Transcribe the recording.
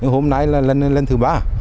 hôm nay là lần thứ ba